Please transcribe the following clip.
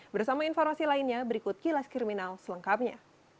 bersama informasi lainnya berikut kilas kriminal selengkapnya